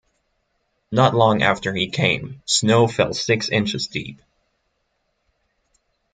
Not long after he came snow fell six inches deep.